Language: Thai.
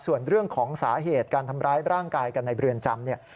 ส่วนเรื่องของสาเหตุการทำร้ายร่างกายกันในเรือนจำเนี่ย